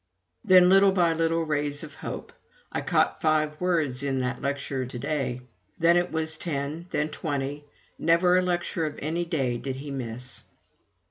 Then, little by little, rays of hope. "I caught five words in 's lecture to day!" Then it was ten, then twenty. Never a lecture of any day did he miss.